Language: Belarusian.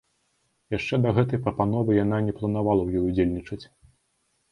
Яшчэ да гэтай прапановы яна не планавала ў ёй удзельнічаць.